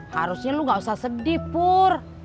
harusnya lu gak usah sedih pur